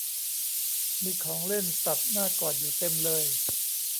มีของเล่นสัตว์น่ากอดอยู่เต็มเลย